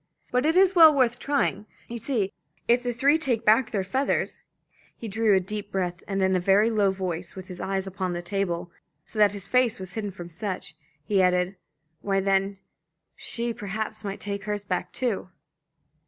But it is well worth trying. You see, if the three take back their feathers," he drew a deep breath, and in a very low voice, with his eyes upon the table so that his face was hidden from Sutch, he added "why, then she perhaps might take hers back too."